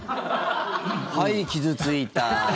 はい、傷付いた。